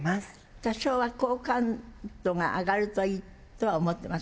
多少は好感度が上がるといいとは思ってます？